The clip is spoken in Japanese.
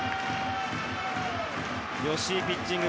吉井ピッチング